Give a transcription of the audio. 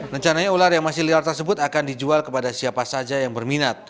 rencananya ular yang masih liar tersebut akan dijual kepada siapa saja yang berminat